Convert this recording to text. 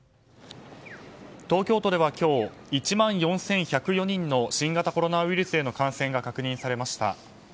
東京都では今日１万４１０４人の新型コロナウイルスへの感染が確認されました。